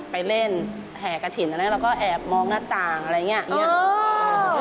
ไปเล่นแห่กระถิ่นอะไรเราก็แอบมองหน้าต่างอะไรอย่างนี้